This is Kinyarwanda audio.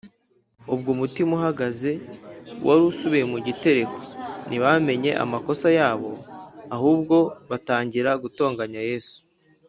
. Ubwo umutima uhagaze wari usubiye mu gitereko, ntibamenye amakosa yabo, ahubwo batangira gutonganya Yesu.